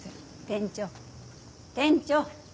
店長店長！